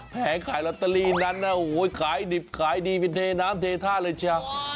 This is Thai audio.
แผงขายลอตเตอรี่นั้นน่ะโหยขายดิบขายดีมีเทน้ำเททาเลยจ้า